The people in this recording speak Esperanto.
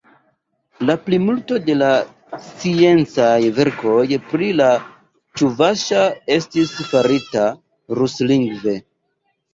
La plimulto de la sciencaj verkoj pri la ĉuvaŝa estis farita ruslingve.